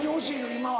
今は。